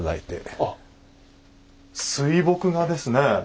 あっ水墨画ですね。